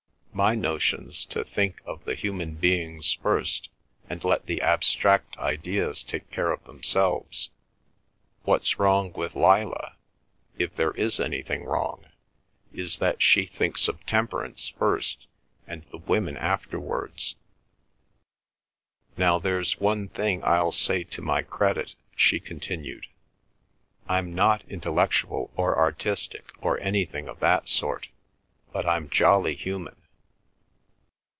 My notion's to think of the human beings first and let the abstract ideas take care of themselves. What's wrong with Lillah—if there is anything wrong—is that she thinks of Temperance first and the women afterwards. Now there's one thing I'll say to my credit," she continued; "I'm not intellectual or artistic or anything of that sort, but I'm jolly human."